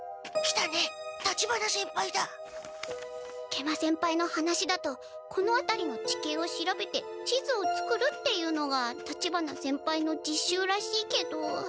食満先輩の話だとこのあたりの地形を調べて地図を作るっていうのが立花先輩の実習らしいけど。